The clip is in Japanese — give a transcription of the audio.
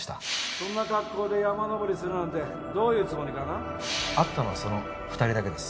そんな格好で山登りするなんてどういう会ったのはその２人だけです。